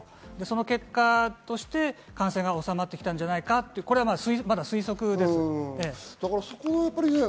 結果として感染が収まってきたんじゃないかという推測です。